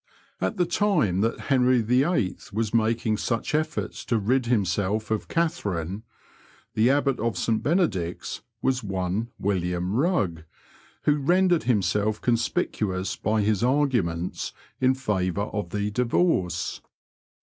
At the time that Henry YIU. was making such efforts to rid himself of €atherine, the Abbot of St Benedict's was one William Bugg, who rendered himself conspicuous by his arguments in favour of the divorce.